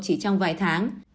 chỉ trong vài tháng